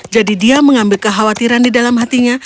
jadi dia mengambil kekhawatiran di dalam hatinya